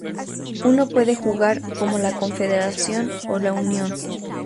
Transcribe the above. Uno puede jugar como la Confederación o la Unión.